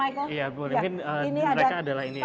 iya mungkin mereka adalah ini ya